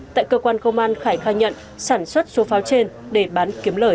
tại cơ quan công an khải khai nhận sản xuất số pháo trên để bán kiếm lời